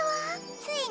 ついに？